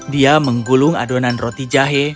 dia menggulung adonan roti jahe